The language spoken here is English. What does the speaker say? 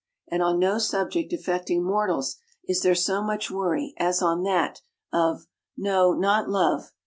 And on no subject affecting mortals is there so much worry as on that of (no, not love!)